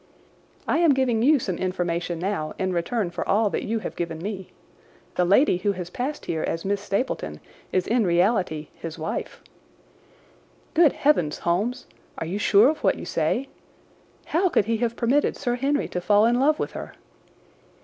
"I am giving you some information now, in return for all that you have given me. The lady who has passed here as Miss Stapleton is in reality his wife." "Good heavens, Holmes! Are you sure of what you say? How could he have permitted Sir Henry to fall in love with her?"